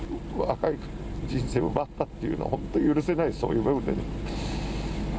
若い人生を奪ったっていうのは本当に許せないです、そういう部分で。